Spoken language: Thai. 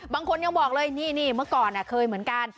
บางคนยังบอกเลยนี่เมื่อก่อนเคยเหมือนกัน